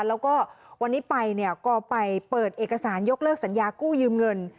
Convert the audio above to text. แล้วก็วันนี้ไปเนี่ยก็ไปเปิดเอกสารยกเลิกสัญญากู้ยืมเงิน